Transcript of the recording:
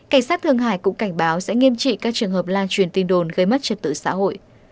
cảnh sát thường hải cũng cảnh báo sẽ nghiêm trị các trường hợp lan truyền tin đồn gây mất trật tự xã hội